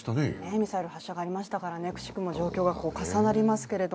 ミサイル発射がありましたから、くしくも状況が重なりますけど。